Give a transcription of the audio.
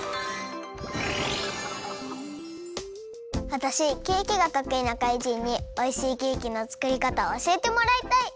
わたしケーキがとくいな怪人においしいケーキのつくりかたをおしえてもらいたい！